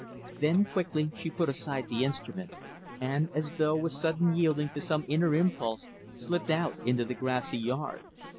Then, quickly, she put aside the instrument, and as though with sudden yielding to some inner impulse slipped out into the grassy yard.